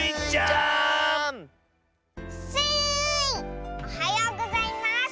おはようございます。